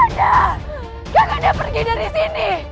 kau tidak bisa pergi dari sini